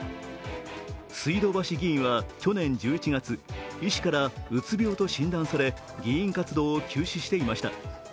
水道橋議員は去年１１月、医師からうつ病と診断され、議員活動を休止していました。